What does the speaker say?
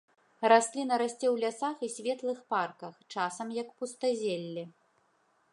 Расліна расце ў лясах і светлых парках, часам як пустазелле.